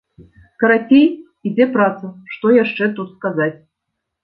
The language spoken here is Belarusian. Карацей, ідзе праца, што яшчэ тут сказаць?